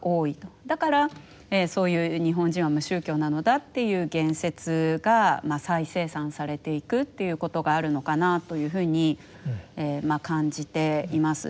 だからそういう日本人は無宗教なのだっていう言説が再生産されていくということがあるのかなというふうに感じています。